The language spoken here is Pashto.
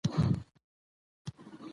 ـ د سيال خواړه يا پور وي يا پېغور.